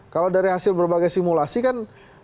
kalau dari hasil berbagai simulasi kan